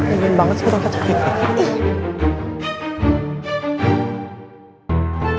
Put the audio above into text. ini bener banget sih